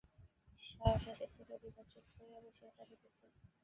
সহসা দেখিলেন, বিভা চুপ করিয়া বসিয়া কাঁদিতেছে।